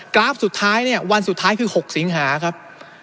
กราฟสุดท้ายเนี่ยวันสุดท้ายคือ๖สิงหาครับ